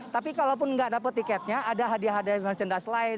tapi kalau pun tidak dapat tiketnya ada hadiah hadiah merchandise lain